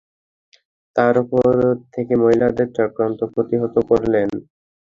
তার উপর থেকে মহিলাদের চক্রান্ত প্রতিহত করলেন।